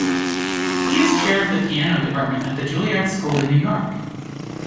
He is chair of the piano department at the Juilliard School in New York.